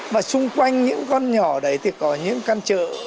mà xung quanh những con nhỏ đấy thì có những căn chợ